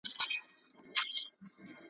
كه پر مځكه شيطانان وي او كه نه وي .